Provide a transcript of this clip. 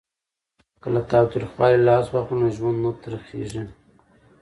که له تاوتریخوالي لاس واخلو نو ژوند نه تریخیږي.